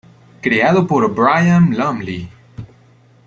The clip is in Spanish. Creado por Brian Lumley.